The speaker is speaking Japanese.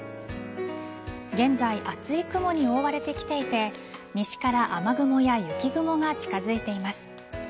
現在、厚い雲に覆われてきていて西から雨雲や雪雲が近づいています。